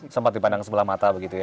sempat dipandang sebelah mata begitu ya